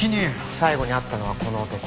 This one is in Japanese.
最後に会ったのはこの男。